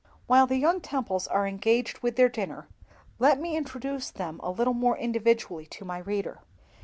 While the young Temples are engaged with their dinner, let me introduce them a little more individually to my reader.